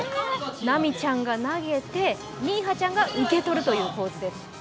ナミちゃんが投げてニーハちゃんが受け取るという構図です。